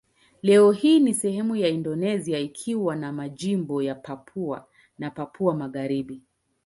Leo hii ni sehemu ya Indonesia ikiwa ni majimbo ya Papua na Papua Magharibi.